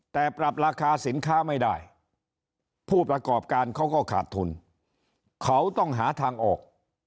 แต่ปรับราคาสินค้าไม่ได้ผู้ประกอบการเขาก็ขาดทุนเขาต้องหาทางออก